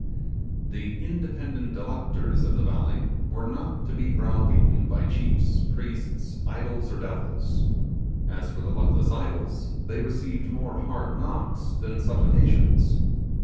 The 'independent electors' of the valley were not to be brow beaten by chiefs, priests, idol or devils. As for the luckless idols, they received more hard knocks than supplications.